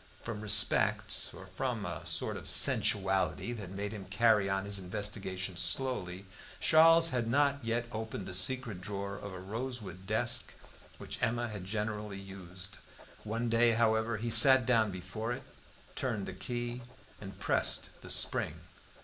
From respect, or from a sort of sensuality that made him carry on his investigations slowly, Charles had not yet opened the secret drawer of a rosewood desk which Emma had generally used. One day, however, he sat down before it, turned the key, and pressed the spring.